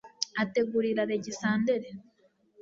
ategurira alegisanderi